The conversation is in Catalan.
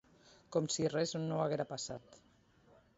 Com si res no haguera passat.